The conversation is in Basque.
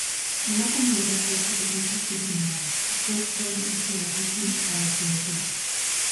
Emakume horrek sortutako ikuskizuna da, ekoizpen-etxe batekin zabaltzen dutena.